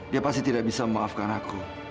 dia pasti tidak bisa memaafkan aku